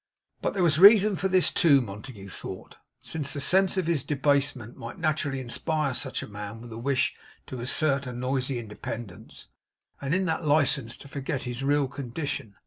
But there was reason for this too, Montague thought; since the sense of his debasement might naturally inspire such a man with the wish to assert a noisy independence, and in that licence to forget his real condition.